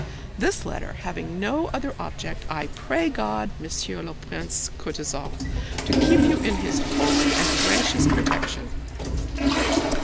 This letter having no other object, I pray God, monsieur le prince Koutouzov, to keep you in His holy and gracious protection!